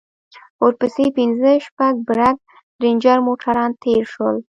ورپسې پنځه شپږ برگ رېنجر موټران تېر سول.